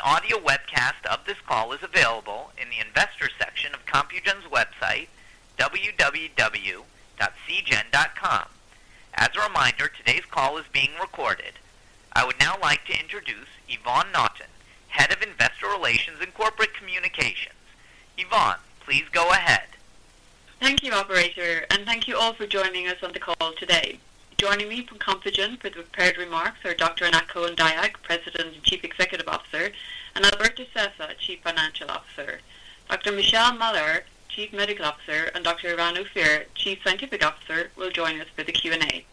Ladies and gentlemen, thank you for joining us today. Welcome to Compugen's Q1 2024 Results Conference Call. At this time, all participants are in a listen-only mode. An audio webcast of this call is available in the investor section of Compugen's website, www.cgen.com. As a reminder, today's call is being recorded. I would now like to introduce Yvonne Naughton, Head of Investor Relations and Corporate Communications. Yvonne, please go ahead. Thank you, operator, and thank you all for joining us on the call today. Joining me from Compugen for the prepared remarks are Dr. Anat Cohen-Dayag, President and Chief Executive Officer, and Alberto Sessa, Chief Financial Officer. Dr. Michelle Mahler, Chief Medical Officer, and Dr. Eran Ophir, Chief Scientific Officer, will join us for the Q&A.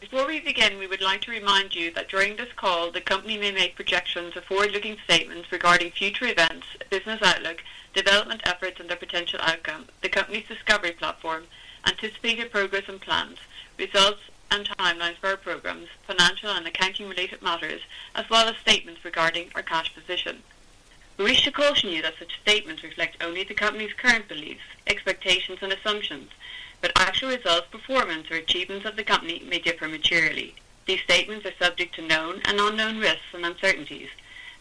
Before we begin, we would like to remind you that during this call, the company may make projections or forward-looking statements regarding future events, business outlook, development efforts and their potential outcome, the company's discovery platform, anticipated progress and plans, results and timelines for our programs, financial and accounting related matters, as well as statements regarding our cash position. We wish to caution you that such statements reflect only the company's current beliefs, expectations, and assumptions, but actual results, performance, or achievements of the company may differ materially. These statements are subject to known and unknown risks and uncertainties,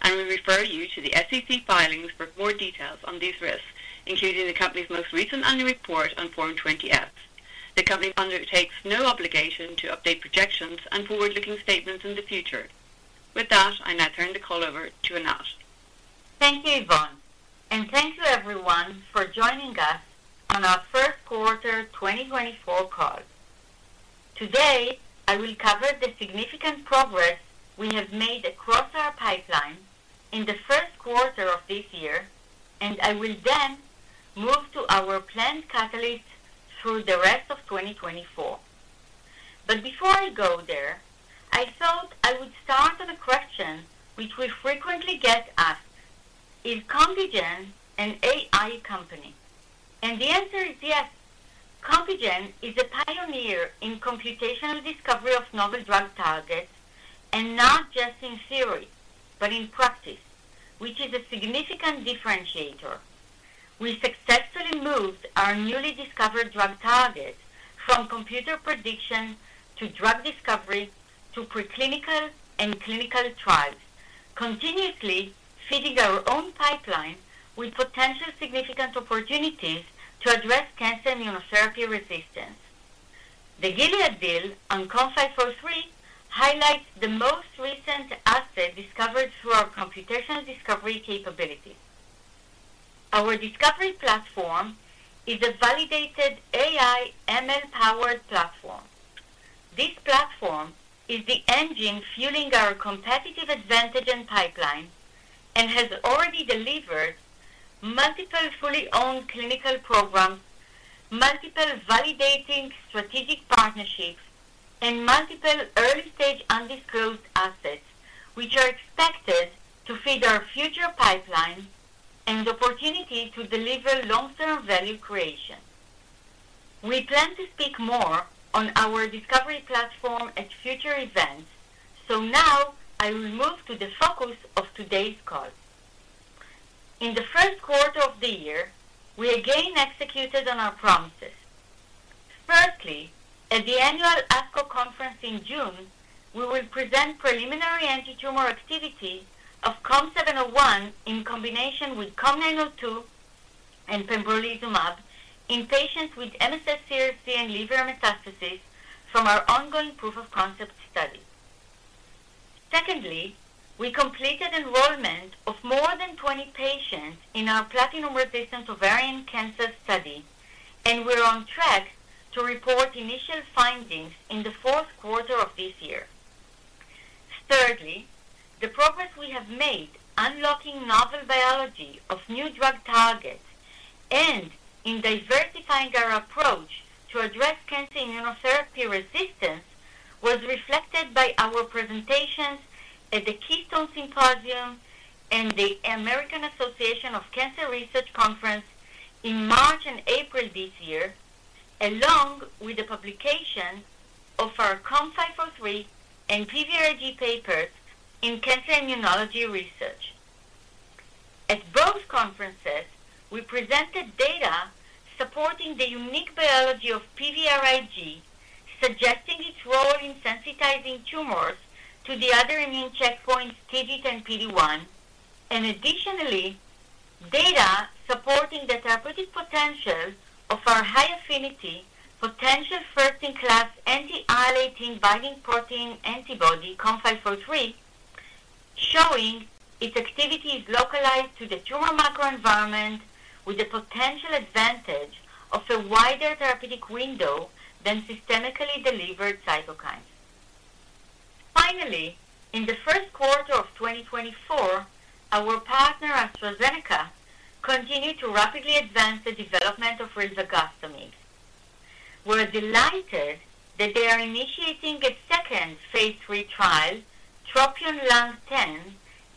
and we refer you to the SEC filings for more details on these risks, including the company's most recent annual report on Form 20-F. The company undertakes no obligation to update projections and forward-looking statements in the future. With that, I now turn the call over to Anat. Thank you, Yvonne, and thank you everyone for joining us on our Q1 2024 Call. Today, I will cover the significant progress we have made across our pipeline in Q1 of this year, and I will then move to our planned catalyst through the rest of 2024. But before I go there, I thought I would start on a question which we frequently get asked: Is Compugen an AI company? And the answer is yes. Compugen is a pioneer in computational discovery of novel drug targets, and not just in theory, but in practice, which is a significant differentiator. We successfully moved our newly discovered drug target from computer prediction to drug discovery to preclinical and clinical trials, continuously feeding our own pipeline with potential significant opportunities to address cancer immunotherapy resistance. The Gilead deal on COM503 highlights the most recent asset discovered through our computational discovery capability. Our discovery platform is a validated AI ML-powered platform. This platform is the engine fueling our competitive advantage and pipeline and has already delivered multiple fully owned clinical programs, multiple validating strategic partnerships, and multiple early-stage undisclosed assets, which are expected to feed our future pipeline and opportunity to deliver long-term value creation. We plan to speak more on our discovery platform at future events, so now I will move to the focus of today's call. In Q1 of the year, we again executed on our promises. Firstly, at the annual ASCO conference in June, we will present preliminary antitumor activity of COM701 in combination with COM902 and pembrolizumab in patients with MSSCRC and liver metastasis from our ongoing proof of concept study. Secondly, we completed enrollment of more than 20 patients in our platinum-resistant ovarian cancer study, and we're on track to report initial findings in the fourth quarter of this year. Thirdly, the progress we have made unlocking novel biology of new drug targets and in diversifying our approach to address cancer immunotherapy resistance was reflected by our presentations at the Keystone Symposium and the American Association for Cancer Research Conference in March and April this year, along with the publication of our COM503 and PVRIG papers in Cancer Immunology Research. At both conferences, we presented data supporting the unique biology of PVRIG, suggesting its role in sensitizing tumors to the other immune checkpoints, TIGIT and PD-1. Additionally, data supporting the therapeutic potential of our high-affinity, potential first-in-class anti-IL-18 binding protein antibody, COM503, showing its activity is localized to the tumor microenvironment with the potential advantage of a wider therapeutic window than systemically delivered cytokines. Finally, in the Q1 of 2024, our partner, AstraZeneca, continued to rapidly advance the development of rilvegastimig. We're delighted that they are initiating a second phase 3 trial, TROPION-Lung10,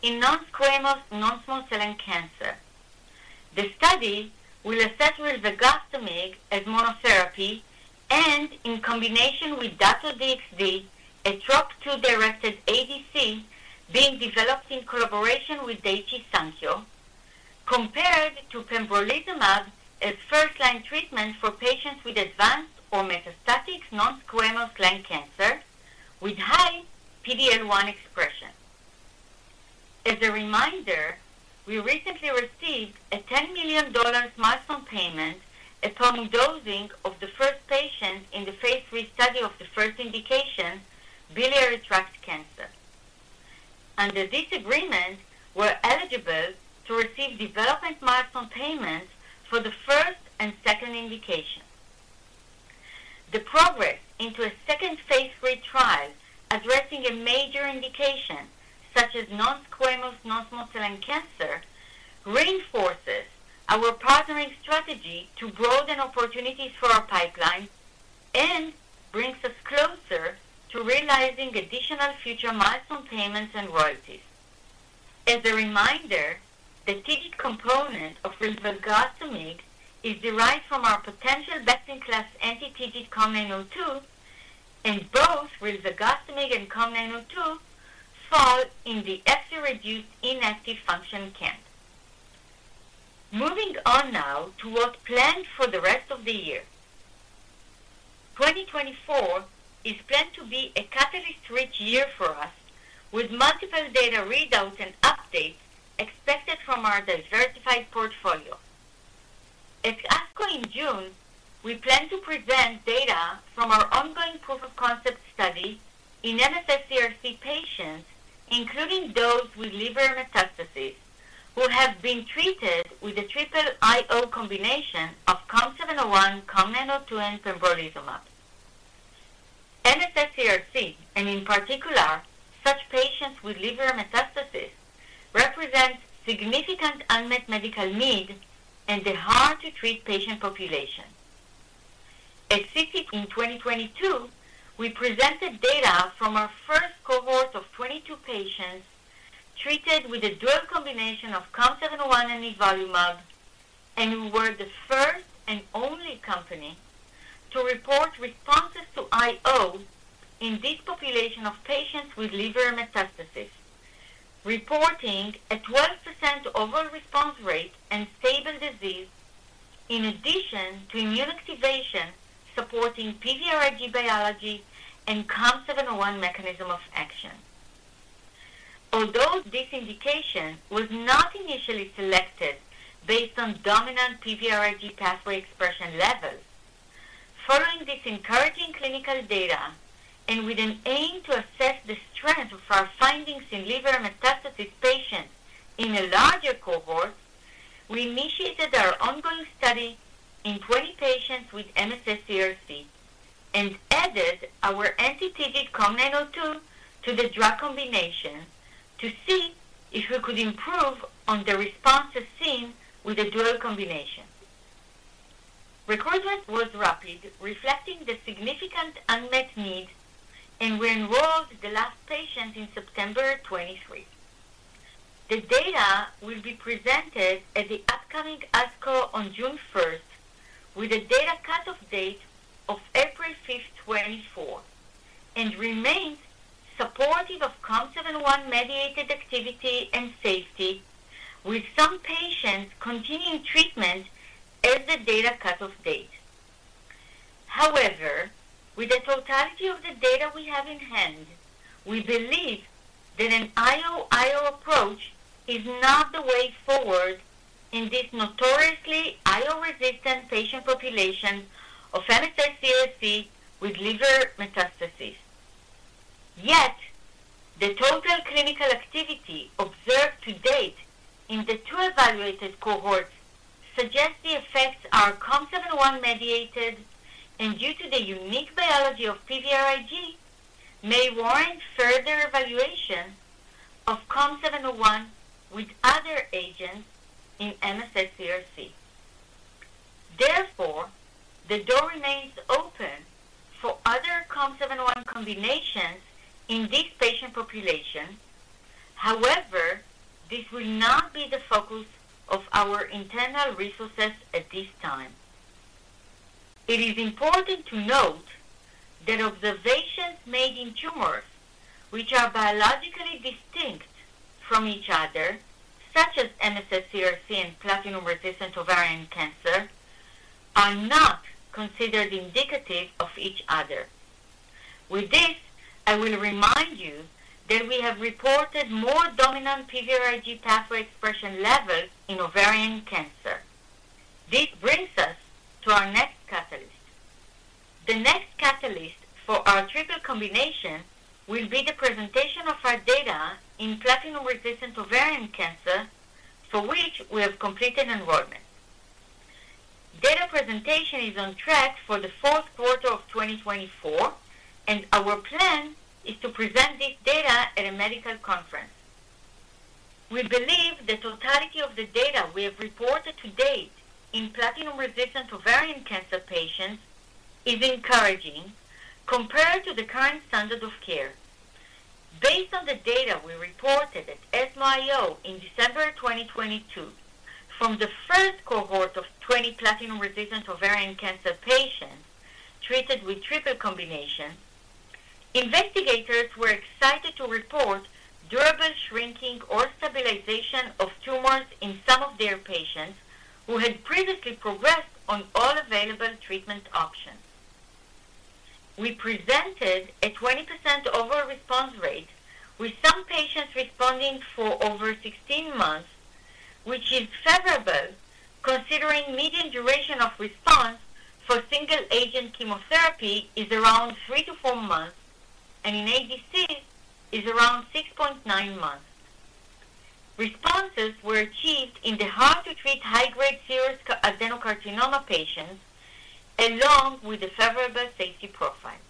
in non-squamous non-small cell lung cancer. The study will assess rilvegostomig as monotherapy and in combination with Dato-DXd, a Trop-2-directed ADC being developed in collaboration with Daiichi Sankyo, compared to pembrolizumab as first-line treatment for patients with advanced or metastatic non-squamous lung cancer with high PD-L1 expression. As a reminder, we recently received a $10 million milestone payment upon dosing of the first patient in the phase 3 study of the first indication, biliary tract cancer. Under this agreement, we're eligible to receive development milestone payments for the first and second indication. The progress into a second phase III trial addressing a major indication, such as non-squamous non-small cell lung cancer, reinforces our partnering strategy to broaden opportunities for our pipeline and brings us closer to realizing additional future milestone payments and royalties. As a reminder, the TIGIT component of rilvegostomig is derived from our potential best-in-class anti-TIGIT COM902, and both rilvegostomig and COM902 fall in the FC-reduced inactive function camp. Moving on now to what's planned for the rest of the year. 2024 is planned to be a catalyst-rich year for us, with multiple data readouts and updates expected from our diversified portfolio. At ASCO in June, we plan to present data from our ongoing proof of concept study in mSSCRC patients, including those with liver metastases, who have been treated with a triple IO combination of COM701, COM902, and pembrolizumab. mSSCRC, and in particular, such patients with liver metastases, represent significant unmet medical need and a hard-to-treat patient population. At SITC in 2022, we presented data from our first cohort of 22 patients treated with a dual combination of COM701 and nivolumab, and we were the first and only company to report responses to IO in this population of patients with liver metastases, reporting a 12% overall response rate and stable disease, in addition to immune activation, supporting PVRIG biology and COM701 mechanism of action. Although this indication was not initially selected based on dominant PVRIG pathway expression levels, following this encouraging clinical data and with an aim to assess the strength of our findings in liver metastases patients in a larger cohort, we initiated our ongoing study in 20 patients with mSSCRC and added our anti-TIGIT COM902 to the drug combination to see if we could improve on the responses seen with the dual combination. Recruitment was rapid, reflecting the significant unmet need, and we enrolled the last patient in September 2023. The data will be presented at the upcoming ASCO on June 1, 2024, with a data cutoff date of April 5, 2024, and remains supportive of COM701-mediated activity and safety, with some patients continuing treatment at the data cutoff date. However, with the totality of the data we have in hand, we believe that an IO/IO approach is not the way forward in this notoriously IO-resistant patient population of mSSCRC with liver metastases. Yet, the total clinical activity observed to date in the two evaluated cohorts suggest the effects are COM701-mediated, and due to the unique biology of PVRIG, may warrant further evaluation of COM701 with other agents in mSSCRC. Therefore, the door remains open for other COM701 combinations in this patient population. However, this will not be the focus of our internal resources at this time. It is important to note that observations made in tumors, which are biologically distinct from each other, such as mSSCRC and platinum-resistant ovarian cancer, are not considered indicative of each other. With this, I will remind you that we have reported more dominant PVRIG pathway expression levels in ovarian cancer. This brings us to our next catalyst. The next catalyst for our triple combination will be the presentation of our data in platinum-resistant ovarian cancer, for which we have completed enrollment. Data presentation is on track for the fourth quarter of 2024, and our plan is to present this data at a medical conference. We believe the totality of the data we have reported to date in platinum-resistant ovarian cancer patients is encouraging compared to the current standard of care.... Based on the data we reported at ESMO IO in December 2022, from the first cohort of 20 platinum-resistant ovarian cancer patients treated with triple combination, investigators were excited to report durable shrinking or stabilization of tumors in some of their patients who had previously progressed on all available treatment options. We presented a 20% overall response rate, with some patients responding for over 16 months, which is favorable, considering median duration of response for single-agent chemotherapy is around three to four months, and in ADC is around 6.9 months. Responses were achieved in the hard-to-treat high-grade serous adenocarcinoma patients, along with a favorable safety profile.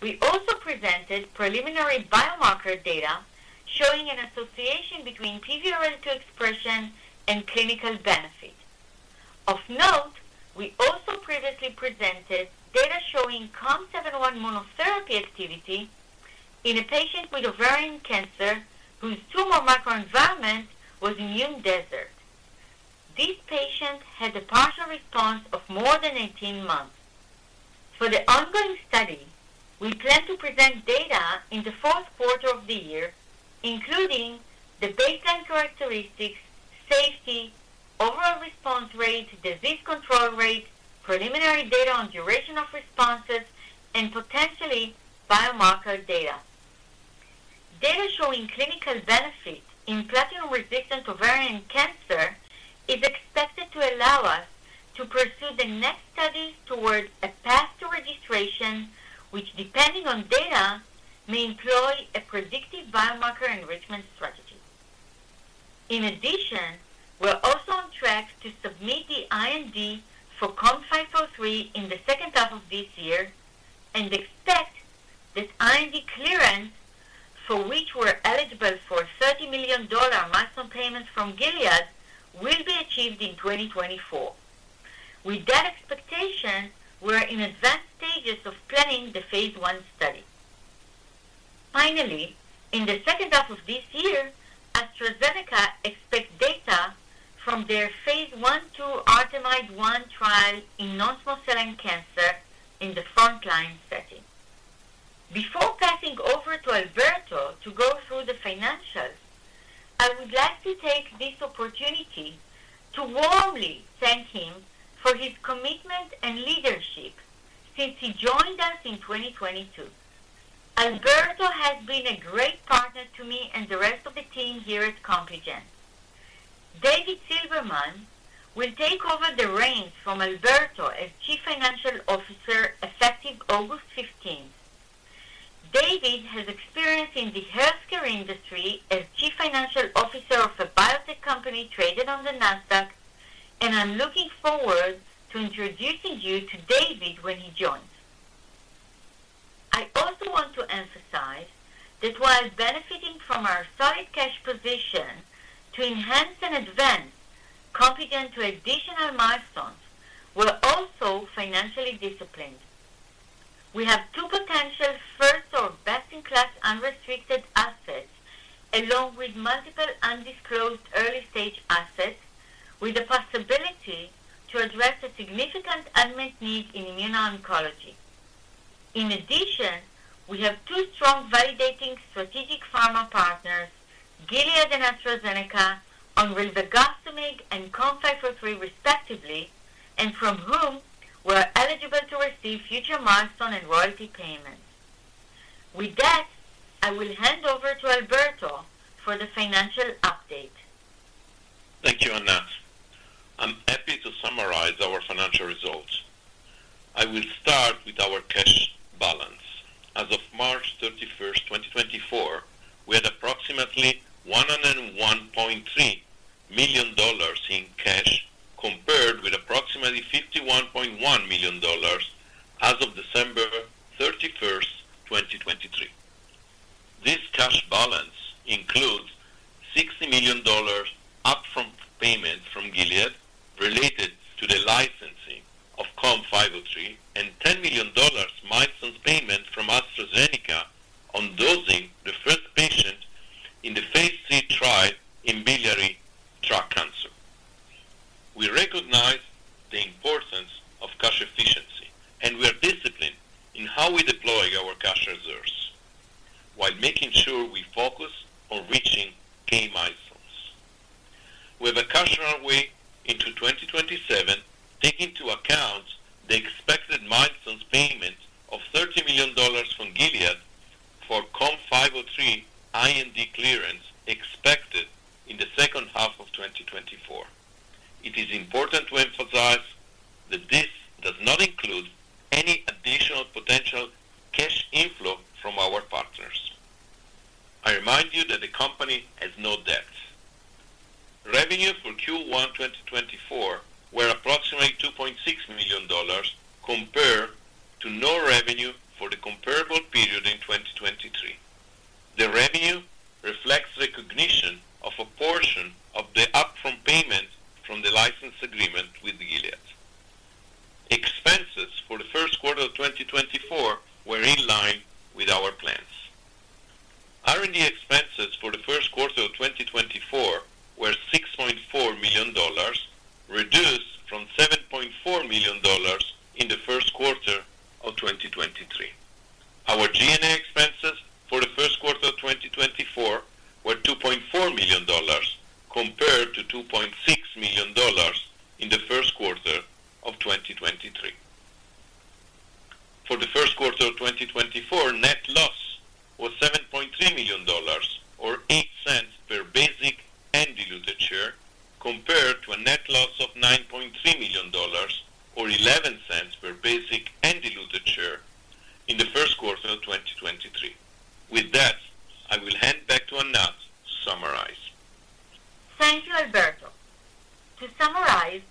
We also presented preliminary biomarker data showing an association between PVRL2 expression and clinical benefit. Of note, we also previously presented data showing COM701 monotherapy activity in a patient with ovarian cancer, whose tumor microenvironment was immune desert. This patient had a partial response of more than 18 months. For the ongoing study, we plan to present data in the fourth quarter of the year, including the baseline characteristics, safety, overall response rate, disease control rate, preliminary data on duration of responses, and potentially biomarker data. Data showing clinical benefit in platinum-resistant ovarian cancer is expected to allow us to pursue the next studies towards a path to registration, which, depending on data, may employ a predictive biomarker enrichment strategy. In addition, we're also on track to submit the IND for COM503 in the second half of this year and expect that IND clearance, for which we're eligible for a $30 million maximum payment from Gilead, will be achieved in 2024. With that expectation, we're in advanced stages of planning the phase 1 study. Finally, in the second half of this year, AstraZeneca expects data from their phase 1/2 ARTEMIDE-01 trial in non-small cell lung cancer in the front-line setting. Before passing over to Alberto to go through the financials, I would like to take this opportunity to warmly thank him for his commitment and leadership since he joined us in 2022. Alberto has been a great partner to me and the rest of the team here at Compugen. David Silverman will take over the reins from Alberto as Chief Financial Officer, effective August 15. David has experience in the healthcare industry as Chief Financial Officer of a biotech company traded on the Nasdaq, and I'm looking forward to introducing you to David when he joins. I also want to emphasize that while benefiting from our solid cash position to enhance and advance Compugen to additional milestones, we're also financially disciplined. We have two potential first or best-in-class unrestricted assets, along with multiple undisclosed early-stage assets, with the possibility to address a significant unmet need in immuno-oncology. In addition, we have two strong validating strategic pharma partners, Gilead and AstraZeneca, on rilvegastimig and COM503, respectively, and from whom we're eligible to receive future milestone and royalty payments. With that, I will hand over to Alberto for the financial update. Thank you, Anat. I'm happy to summarize our financial results. I will start with our cash balance. As of March 31, 2024, we had approximately $101.3 million in cash, compared with approximately $51.1 million as of December 31, 2023. This cash balance includes $60 million up from payment from Gilead related to the licensing of COM503, and $10 million milestone payment from AstraZeneca on dosing was $7.3 million, or 0.08 per basic and diluted share, compared to a net loss of $9.3 million, or $0.11 per basic and diluted share in Q1 of 2023. With that, I will hand back to Anat to summarize. Thank you, Alberto. To summarize,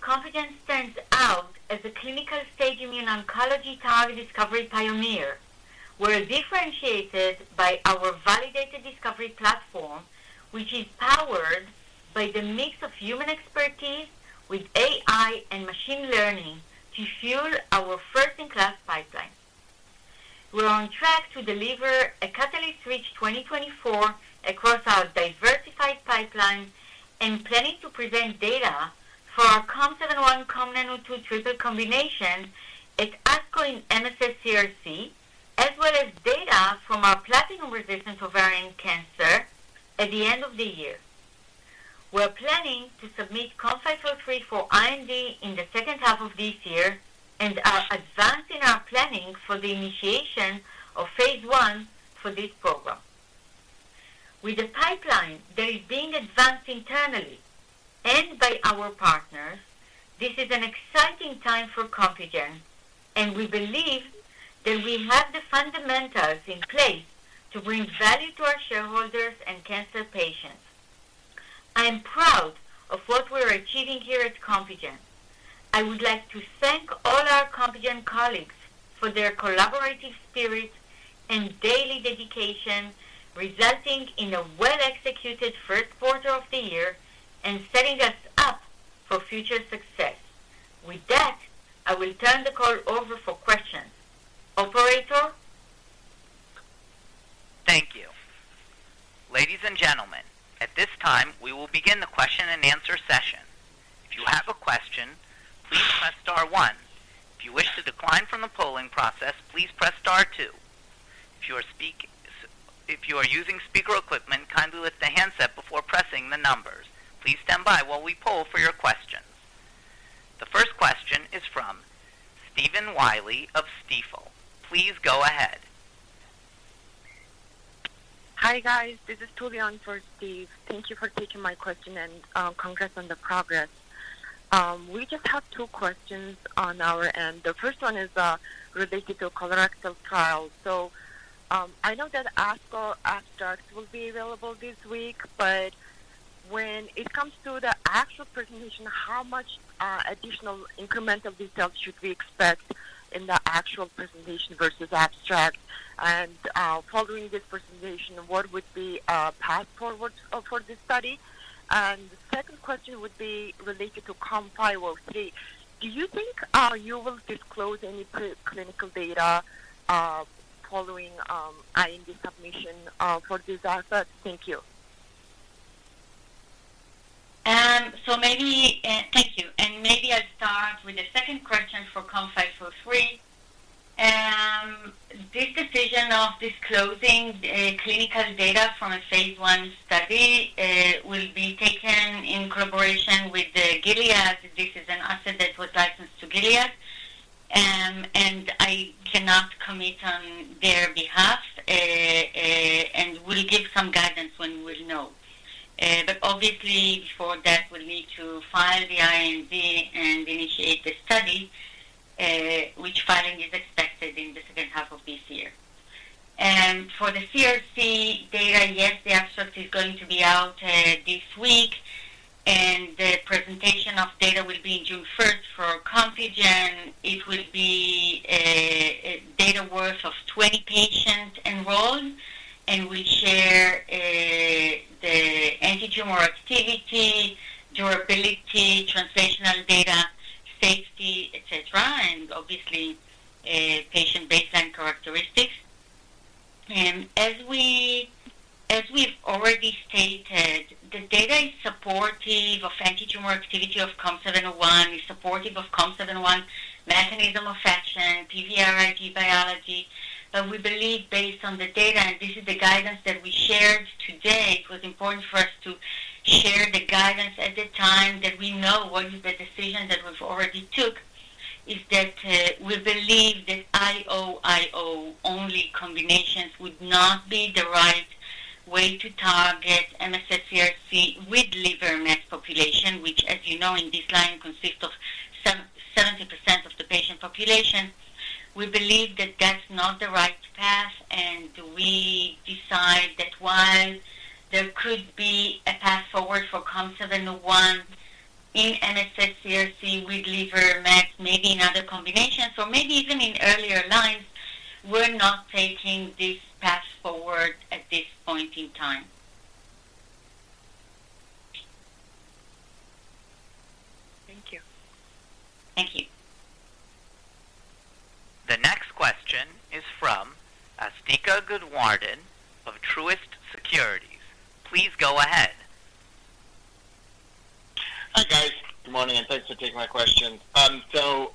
Compugen stands out as a clinical-stage immuno-oncology target discovery pioneer. We're differentiated by our validated discovery platform, which is powered by the mix of human expertise with AI and machine learning to fuel our first-in-class pipeline. We're on track to deliver a catalyst-rich 2024 across our diversified pipeline and planning to present data for our COM701, COM902 triple combination at ASCO in mSSCRC, as well as data from our platinum-resistant ovarian cancer at the end of the year. We're planning to submit COM503 for IND in the second half of this year and are advancing our planning for the initiation of phase 1 for this program. With the pipeline that is being advanced internally and by our partners, this is an exciting time for Compugen, and we believe that we have the fundamentals in place to bring value to our shareholders and cancer patients. I am proud of what we are achieving here at Compugen. I would like to thank all our Compugen colleagues for their collaborative spirit and daily dedication, resulting in a well-executed Q1 of the year and setting us up for future success. With that, I will turn the call over for questions. Operator? Thank you. Ladies and gentlemen, at this time, we will begin the question and answer session. If you have a question, please press star one. If you wish to decline from the polling process, please press star two. If you are using speaker equipment, kindly lift the handset before pressing the numbers. Please stand by while we poll for your questions. The first question is from Stephen Willey of Stifel. Please go ahead. Hi, guys. This is Julian for Steve. Thank you for taking my question, and, congrats on the progress. We just have two questions on our end. The first one is, related to colorectal trial. So, I know that ASCO abstract will be available this week, but when it comes to the actual presentation, how much, additional incremental details should we expect in the actual presentation versus abstract? And, following this presentation, what would be, path forward, for this study? And the second question would be related to COM503. Do you think, you will disclose any cl-clinical data, following, IND submission, for this asset? Thank you. So maybe... Thank you. Maybe I'll start with the second question for COM503. This decision of disclosing clinical data from a phase 1 study will be taken in collaboration with Gilead. This is an asset that was licensed to Gilead, and I cannot commit on their behalf, and we'll give some guidance when we know. But obviously, before that, we'll need to file the IND and initiate the study, which filing is expected in the second half of this year. For the CRC data, yes, the abstract is going to be out this week, and the presentation of data will be June 1 for Compugen. It will be data worth of 20 patients enrolled, and we share the antitumor activity, durability, translational data, safety, et cetera, and obviously patient baseline characteristics. As we, as we've already stated, the data is supportive of antitumor activity of COM701, is supportive of COM701 mechanism of action, PVRIG biology. But we believe based on the data, and this is the guidance that we shared today, it was important for us to share the guidance at the time that we know what is the decision that we've already took, is that we believe that IO-IO-only combinations would not be the right way to target mSSCRC with liver met population, which, as you know, in this line, consists of 70% of the patient population. We believe that that's not the right path, and we decide that while there could be a path forward for COM701 in mSSCRC with liver mets, maybe in other combinations or maybe even in earlier lines, we're not taking this path forward at this point in time.... Thank you. Thank you. The next question is from Asthika Goonewardene of Truist Securities. Please go ahead. Hi, guys. Good morning, and thanks for taking my question. So,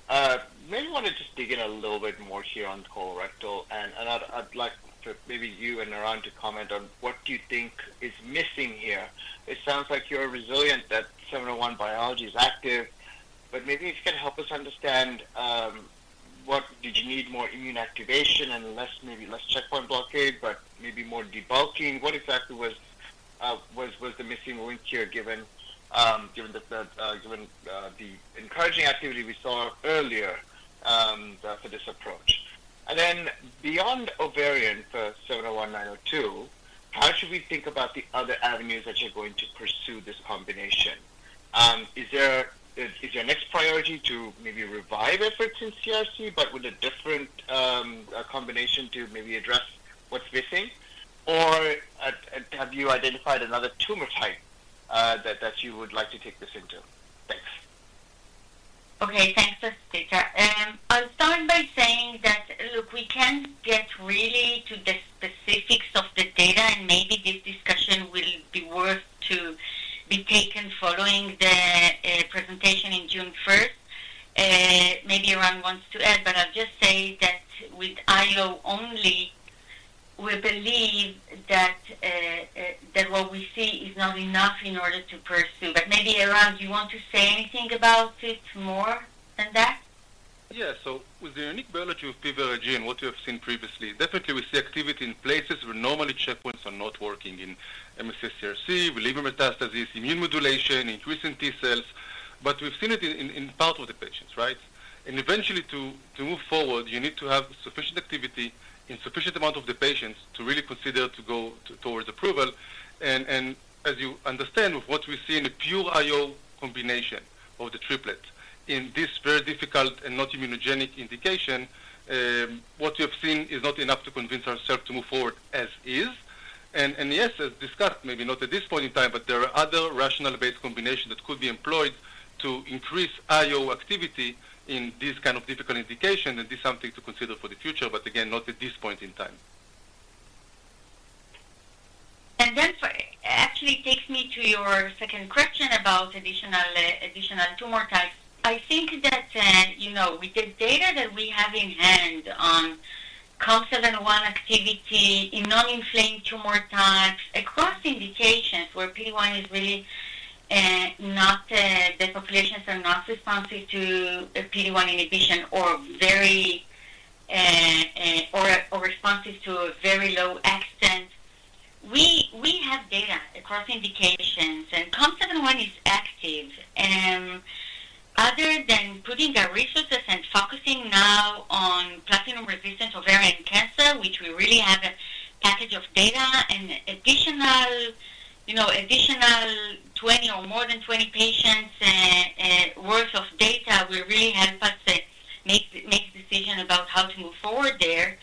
maybe I want to just dig in a little bit more here on colorectal, and I'd like to maybe have you and Eran to comment on what you think is missing here. It sounds like you're resistant, that 701 biology is active, but maybe if you can help us understand what do you need more immune activation and less, maybe less checkpoint blockade, but maybe more debulking? What exactly was the missing link here, given the encouraging activity we saw earlier for this approach? And then beyond ovarian for 701, 902, how should we think about the other avenues that you're going to pursue this combination? Is your next priority to maybe revive efforts in CRC, but with a different combination to maybe address what's missing? Or have you identified another tumor type that you would like to take this into? Thanks. Okay, thanks, Asthika. I'll start by saying that, look, we can't get really to the specifics of the data, and maybe this discussion will be worth to be taken following the presentation in June first. Maybe Eran wants to add, but I'll just say that with IO only, we believe that what we see is not enough in order to pursue. Maybe, Eran, do you want to say anything about it more than that? Yeah. So with the unique biology of PVRIG and what you have seen previously, definitely, we see activity in places where normally checkpoints are not working in mSSCRC, with liver metastasis, immune modulation, increasing T-cells. But we've seen it in part with the patients, right? And eventually, to move forward, you need to have sufficient activity in sufficient amount of the patients to really consider to go towards approval. And as you understand, with what we see in a pure IO combination or the triplet, in this very difficult and not immunogenic indication, what you have seen is not enough to convince ourselves to move forward as is. Yes, as discussed, maybe not at this point in time, but there are other rational-based combination that could be employed to increase IO activity in this kind of difficult indication, and this is something to consider for the future, but again, not at this point in time. Actually, it takes me to your second question about additional tumor types. I think that, you know, with the data that we have in hand on COM701 activity in non-inflamed tumor types, across indications where PD-1 is really not, the populations are not responsive to PD-1 inhibition or very responsive to a very low extent. We have data across indications, and COM701 is active. Other than putting our resources and focusing now on platinum-resistant ovarian cancer, which we really have a package of data and additional, you know, additional 20 or more than 20 patients worth of data, will really help us make a decision about how to move forward there.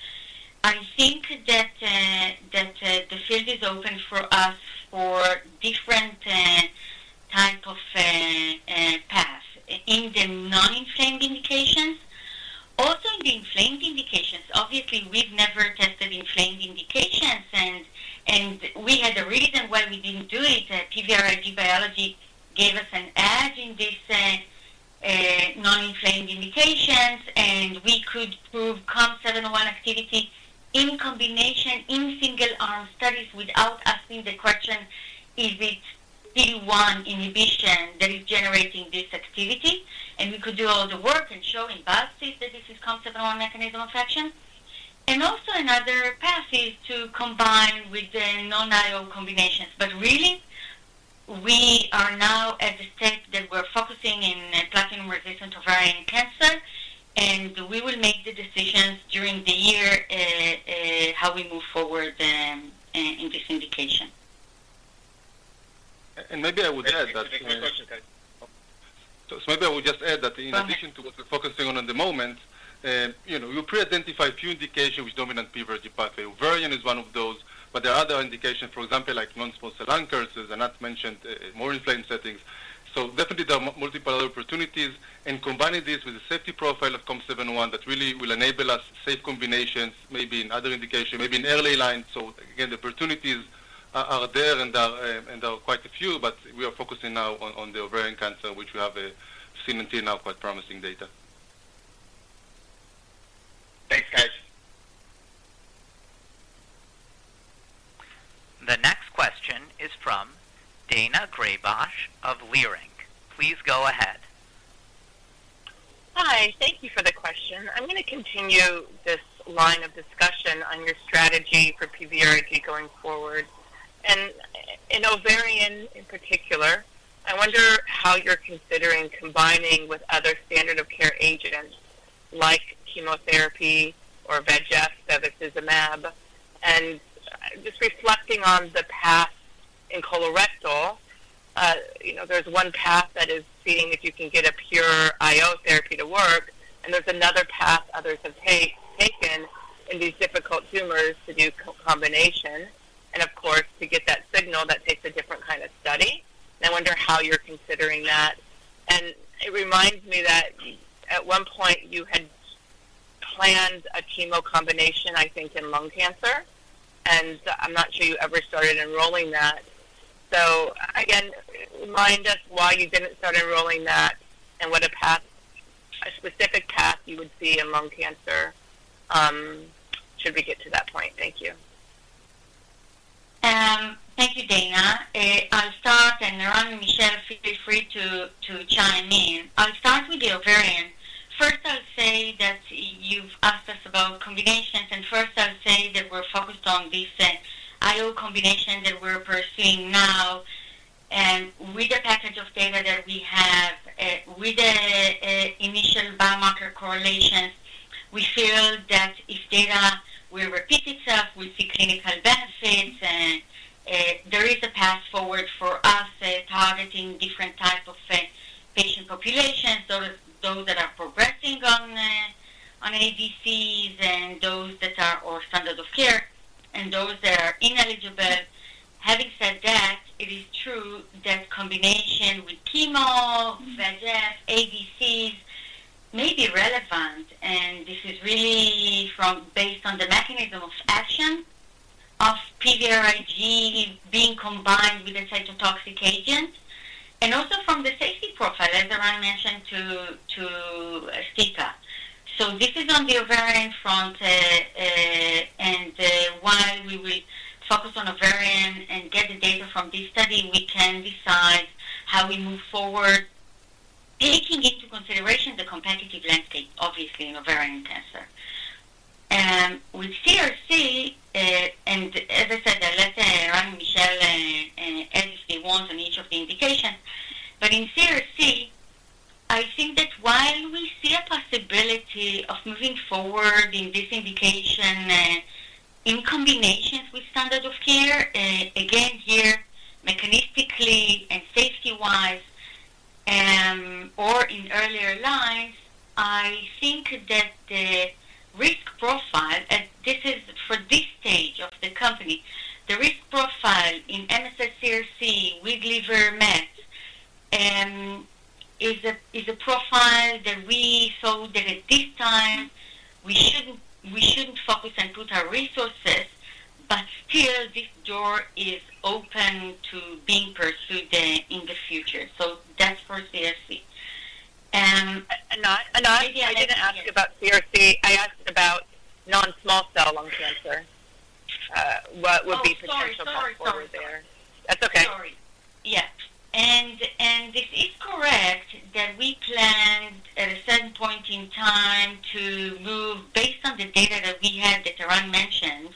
I think that that the field is open for us for different type of path in the non-inflamed indications. Also, in the inflamed indications, obviously, we've never tested inflamed indications, and we had a reason why we didn't do it. PVRIG biology gave us an edge in this non-inflamed indications, and we could prove COM701 activity in combination in single-arm studies without asking the question, is it PD-1 inhibition that is generating this activity? And we could do all the work and showing pathways that this is COM701 mechanism of action. And also another path is to combine with the non-IO combinations. But really, we are now at the step that we're focusing in platinum-resistant ovarian cancer, and we will make the decisions during the year how we move forward in this indication. Maybe I would add that- Great question, guys. So maybe I will just add that in addition to what we're focusing on at the moment, you know, we pre-identify a few indications with dominant PVRIG pathway. Ovarian is one of those, but there are other indications, for example, like non-small cell lung cancers, and not mentioned, more inflamed settings. So definitely, there are multiple other opportunities, and combining this with a safety profile of COM701, that really will enable us safe combinations, maybe in other indication, maybe in early lines. So again, the opportunities are there and are quite a few, but we are focusing now on the ovarian cancer, which we have seen until now, quite promising data. Thanks, guys. The next question is from Daina Graybosch of Leerink Partners. Please go ahead. Hi, thank you for the question. I'm gonna continue this line of discussion on your strategy for PVRIG going forward. And in ovarian, in particular, I wonder how you're considering combining with other standard of care agents like chemotherapy or VEGF-A bevacizumab. And just reflecting on the path in colorectal, you know, there's one path that is seeing if you can get a pure IO therapy to work, and there's another path others have taken. In these difficult tumors to do co-combination, and of course, to get that signal, that takes a different kind of study. I wonder how you're considering that. And it reminds me that at one point you had planned a chemo combination, I think, in lung cancer, and I'm not sure you ever started enrolling that. So again, remind us why you didn't start enrolling that and what a path, a specific path you would see in lung cancer, should we get to that point? Thank you. Thank you, Daina. I'll start, and Eran and Michelle, feel free to chime in. I'll start with the ovarian. First, I'll say that you've asked us about combinations, and first I'll say that we're focused on this IO combination that we're pursuing now. And with the package of data that we have, with the initial biomarker correlations, we feel that if data will repeat itself, we see clinical benefits, and there is a path forward for us, targeting different types of patient populations, those that are progressing on the ADCs and those that are or standard of care and those that are ineligible. Having said that, it is true that combination with chemo, VEGF, ADCs may be relevant, and this is really from-- based on the mechanism of action of PVRIG being combined with the cytotoxic agent, and also from the safety profile, as I mentioned, to SITC. So this is on the ovarian front, and while we will focus on ovarian and get the data from this study, we can decide how we move forward, taking into consideration the competitive landscape, obviously, in ovarian cancer. With CRC, and as I said, I'll let Eran and Michelle add what they want on each of the indications. But in CRC, I think that while we see a possibility of moving forward in this indication, in combinations with standard of care, again, here, mechanistically and safety-wise, or in earlier lines, I think that the risk profile, and this is for this stage of the company, the risk profile in MSS CRC with liver mets, is a profile that we saw that at this time, we shouldn't focus and put our resources, but still this door is open to being pursued in the future. So that's for CRC. Anat, Anat, I didn't ask you about CRC. I asked about non-small cell lung cancer. What would be- Oh, sorry. Potential path forward there. That's okay. Sorry. Yeah. And this is correct, that we planned at a certain point in time to move based on the data that we had, that Ron mentioned,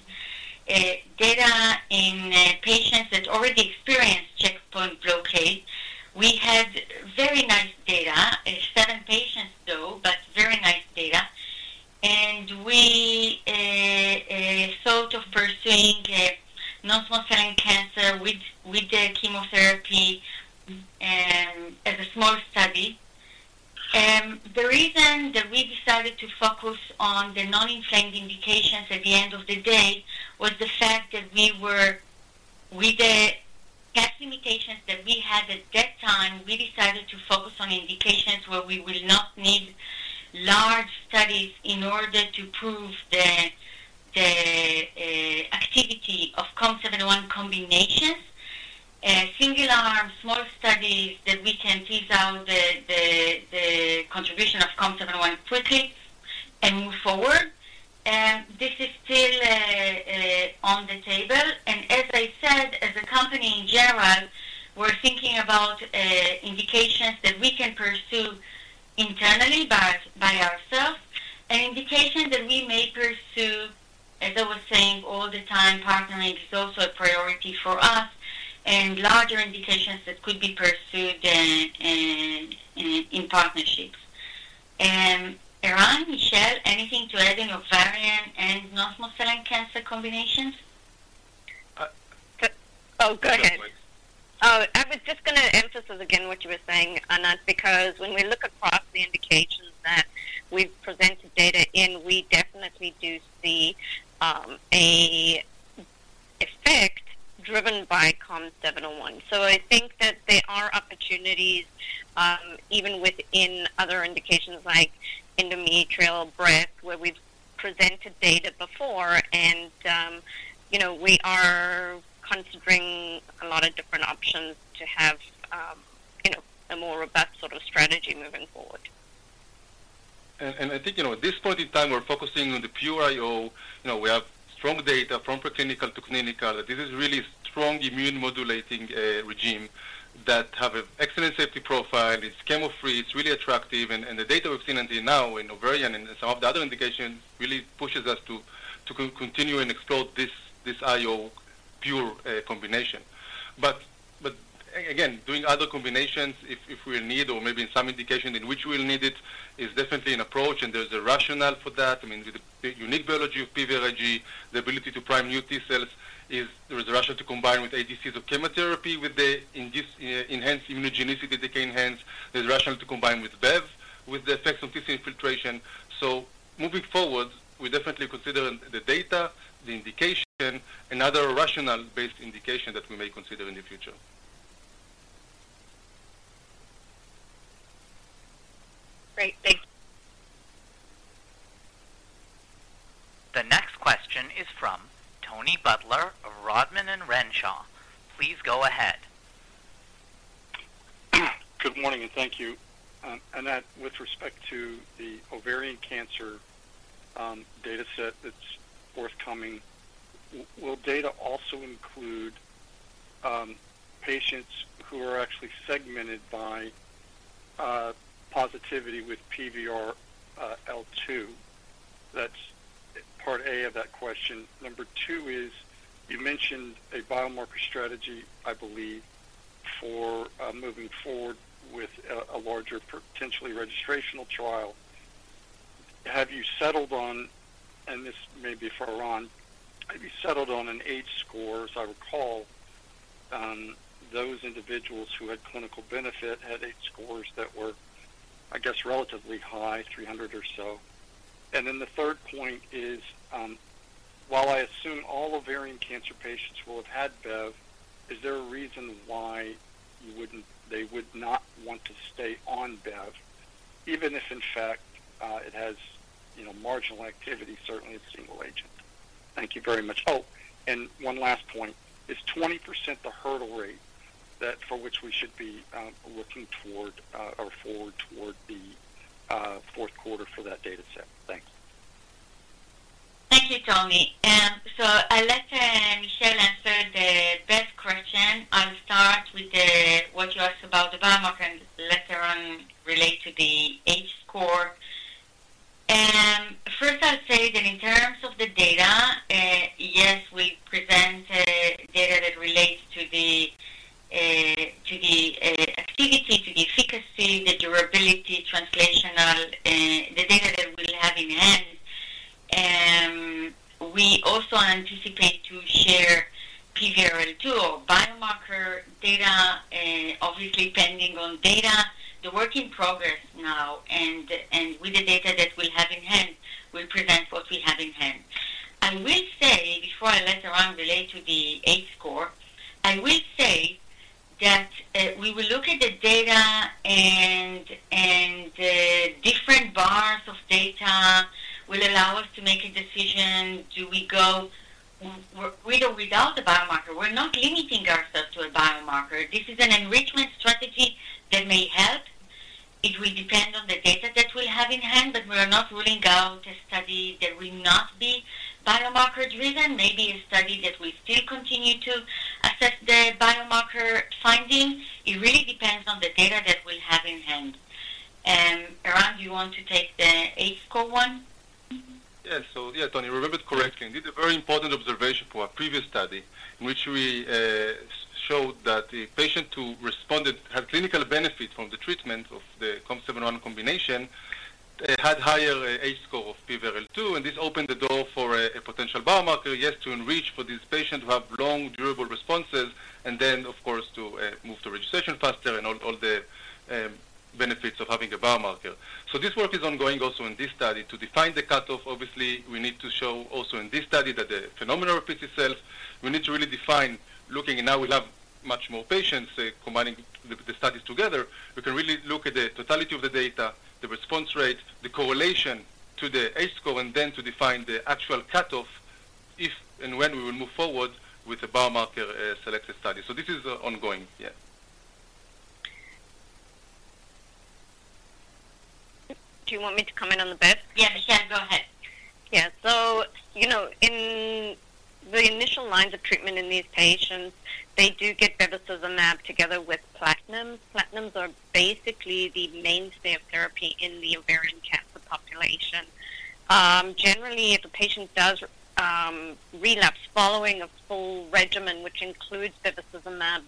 data in patients that already experienced checkpoint blockade. We had very nice data, seven patients, though, but very nice data. And we thought of pursuing non-small cell lung cancer with the chemotherapy as a small study. The reason that we decided to focus on the non-inflamed indications at the end of the day was the fact that we were with the test limitations that we had at that time. We decided to focus on indications where we will not need large studies in order to prove the activity of COM701 combinations. Singular small studies that we can tease out the contribution of COM701 quickly and move forward. This is still on the table. And as I said, as a company in general, we're thinking about indications that we can pursue internally, but by ourselves, and indications that we may pursue, as I was saying all the time, partnering is also a priority for us, and larger indications that could be pursued in partnerships. Eran, Michelle, anything to add in ovarian and non-small cell lung cancer combinations? Uh- Oh, go ahead. Go ahead, please. Oh, I was just gonna emphasize again what you were saying, Anat, because when we look across the indications that we've presented data in, we definitely do see a effect driven by COM701. So I think that there are opportunities, even within other indications like endometrial, breast, where we've presented data before, and, you know, we are considering a lot of different options to have, you know, a more robust sort of strategy moving forward. I think, you know, at this point in time, we're focusing on the pure IO. You know, we have strong data from preclinical to clinical, that this is really strong immune modulating regime that have an excellent safety profile, it's chemo-free, it's really attractive, and the data we've seen until now in ovarian and some of the other indications really pushes us to continue and explore this IO pure combination. But again, doing other combinations, if we need or maybe in some indication in which we'll need it, is definitely an approach, and there's a rationale for that. I mean, with the unique biology of PVRIG, the ability to prime new T-cells is—there is a rationale to combine with ADCs or chemotherapy, with the enhanced immunogenicity that they can enhance. There's a rationale to combine with Bev with the effects of TC infiltration. So moving forward, we definitely consider the data, the indication, and other rationale-based indication that we may consider in the future. Great, thank you. The next question is from Tony Butler of Rodman and Renshaw. Please go ahead. Good morning, and thank you. And that with respect to the ovarian cancer data set that's forthcoming, will data also include patients who are actually segmented by positivity with PVRL2? That's part A of that question. Number two is, you mentioned a biomarker strategy, I believe, for moving forward with a larger potentially registrational trial. Have you settled on, and this may be far on, have you settled on an H-score, as I recall, those individuals who had clinical benefit had H-scores that were, I guess, relatively high, 300 or so. And then the third point is, while I assume all ovarian cancer patients will have had Bev, is there a reason why you wouldn't-- they would not want to stay on Bev, even if, in fact, it has, you know, marginal activity, certainly a single agent? Thank you very much. Oh, and one last point, is 20% the hurdle rate that for which we should be looking toward, or forward toward the fourth quarter for that data set? Thanks. Thank you, Tony. So I'll let Michelle answer the best question. I'll start with what you asked about the biomarker and later on relate to the H-score. First, I'll say that in terms of the data, yes, we present data that relates to the activity, to the efficacy, the durability, translational, the data that we have in hand. We also anticipate to share PVRL2 biomarker data, obviously, pending on data. The work in progress now and with the data that we have in hand, we'll present what we have in hand. I will say, before I let Eran relate to the H-score, I will say that we will look at the data and different bars of data will allow us to make a decision. Do we go with or without the biomarker? We're not limiting ourselves to a biomarker. This is an enrichment strategy that may help. It will depend on the data that we have in hand, but we are not ruling out a study that will not be biomarker-driven, maybe a study that will still continue to assess the biomarker findings. It really depends on the data that we have in hand. And, Eran, do you want to take the H-score one? Yes. So, yeah, Tony, you remembered correctly. This is a very important observation for our previous study, in which we showed that the patient who responded had clinical benefit from the treatment of the COM701 combination, had higher H-score of PVRL2, and this opened the door for a potential biomarker, yes, to enrich for these patients who have long, durable responses, and then, of course, to move to registration faster and all the benefits of having a biomarker. So this work is ongoing also in this study. To define the cutoff, obviously, we need to show also in this study that the phenomenon repeats itself. We need to really define, looking, and now we'll have much more patients, combining the studies together, we can really look at the totality of the data, the response rate, the correlation to the H-score, and then to define the actual cutoff, if and when we will move forward with the biomarker selected study. So this is ongoing. Yeah. Do you want me to comment on the Bev? Yeah, sure. Go ahead. Yeah. So, you know, in the initial lines of treatment in these patients, they do get bevacizumab together with platinum. Platinums are basically the mainstay of therapy in the ovarian cancer population. Generally, if a patient does relapse following a full regimen, which includes bevacizumab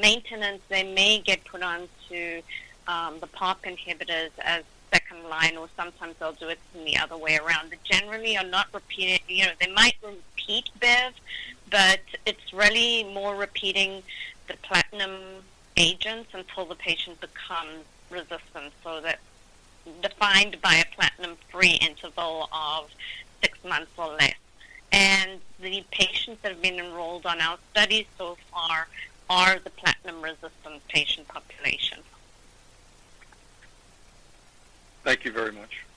maintenance, they may get put on to the PARP inhibitors as second line, or sometimes they'll do it in the other way around. But generally, are not repeated. You know, they might repeat Bev, but it's really more repeating the platinum agents until the patient becomes resistant, so that's defined by a platinum-free interval of six months or less. And the patients that have been enrolled on our study so far are the platinum-resistant patient population. Thank you very much.